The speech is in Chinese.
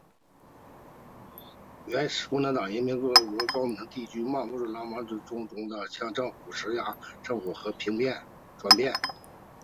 原先共和党人和底层民众也期盼拉马克将军能够向政府施压迫使政府和平转变。